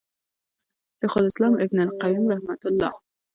شيخ الإسلام ابن القيّم رحمه الله